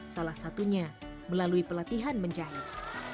salah satunya melalui pelatihan menjahit